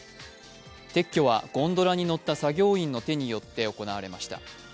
撤去はゴンドラに乗った作業員の手によって行われました。